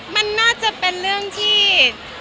มันน่าจะเป็นเรื่องที่